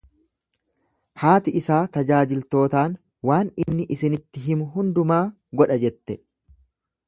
Haati isaa tajaajiltootaan, Waan inni isinitti himu hundumaa godha jette.